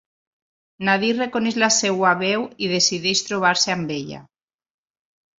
Nadir reconeix la seua veu i decideix trobar-se amb ella.